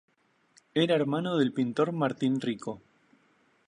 Era hermano del pintor Martín Rico.